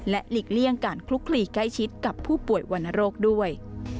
หลีกเลี่ยงการคลุกคลีใกล้ชิดกับผู้ป่วยวรรณโรคด้วย